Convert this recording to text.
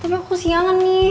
tapi aku kesiangan nih